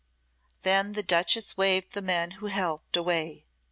Then the duchess waved the men who helped, away.